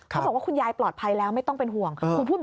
เขาบอกว่าคุณยายปลอดภัยแล้วไม่ต้องเป็นห่วง